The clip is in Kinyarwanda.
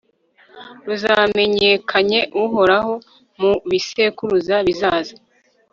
ruzamenyekanye uhoraho mu bisekuruza bizaza